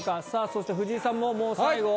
そして藤井さんももう最後。